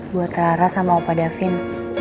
buat ra sama opa davin